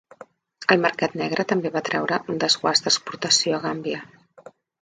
El mercat negre també va atraure un desguàs d'exportació a Gàmbia.